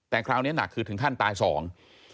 แต่คราวนี้หนักคือถึงขั้นตายสอง